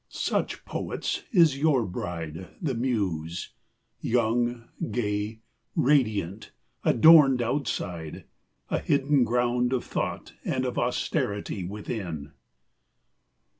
Such, poets, is your bride, the Muse! young, gay, Radiant, adorned outside; a hidden ground Of thought and of austerity within.